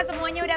kenyang dong dia